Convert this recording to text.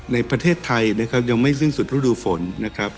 ในประเทศไทยนะครับยังไม่สิ้นสุดฤดูฝนนะครับ